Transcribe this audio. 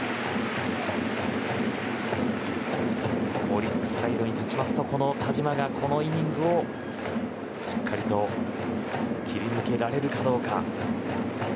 オリックスサイドに立ちますと田嶋がこのイニングをしっかりと切り抜けられるかどうか。